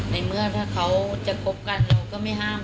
ในเมื่อถ้าเขาจะคบกันเราก็ไม่ห้าม